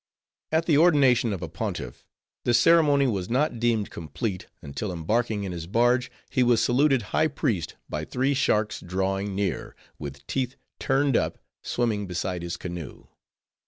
At the ordination of a Pontiff, the ceremony was not deemed complete, until embarking in his barge, he was saluted High Priest by three sharks drawing near; with teeth turned up, swimming beside his canoe.